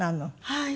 はい。